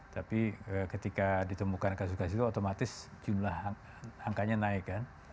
tapi ketika ditemukan kasus kasus itu otomatis jumlah angkanya naik kan